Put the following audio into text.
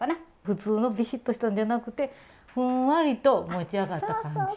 普通のビシッとしたんじゃなくてふんわりと持ち上がった感じ？